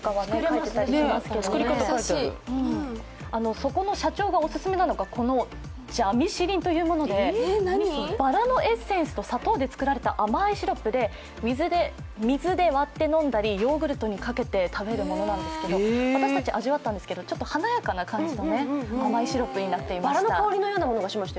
そこの社長がオススメなのが、このジャミシリンというものでバラのエッセンスと砂糖で作られた甘いシロップで水で割って飲んだりヨーグルトにかけて食べるものなんですけど私たち味わったんですけど、ちょっと華やかな感じの甘いシロップになってました。